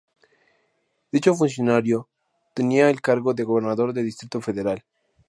Dicho funcionario tenía el cargo de Gobernador de Distrito Federal.